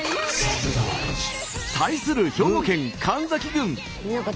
対する兵庫県神崎郡。